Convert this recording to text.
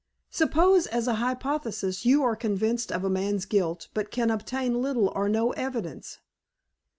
"Suppose, as a hypothesis, you are convinced of a man's guilt, but can obtain little or no evidence?"